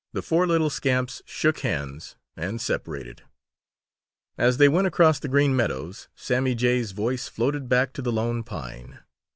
The four little scamps shook hands and separated. As they went across the Green Meadows, Sammy Jay's voice floated back to the Lone Pine.